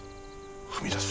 踏み出す。